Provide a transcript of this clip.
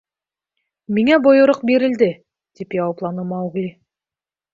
— Миңә бойороҡ бирелде, — тип яуапланы Маугли.